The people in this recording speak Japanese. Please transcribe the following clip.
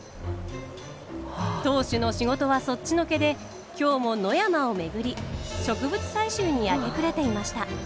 当主の仕事はそっちのけで今日も野山を巡り植物採集に明け暮れていました。